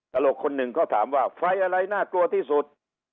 ตลกคนหนึ่งเขาถามว่าไฟอะไรน่ากลัวที่สุด